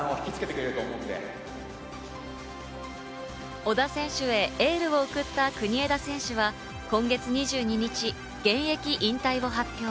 小田選手へエールを送った国枝選手は今月２２日、現役引退を発表。